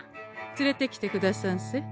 連れてきてくださんせ。